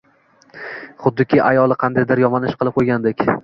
xuddiki ayoli qandaydir yomon ish qilib qo‘ygandek.